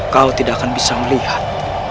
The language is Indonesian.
kau tidak akan bisa melihat